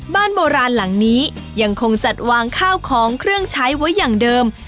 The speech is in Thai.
บ้านโบราณหลังนี้ยังคงจัดวางข้าวของเครื่องใช้ไว้อย่างเดิม